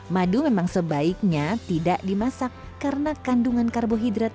madu memang sebaiknya tidak dimasak karena kandungan karbohidrat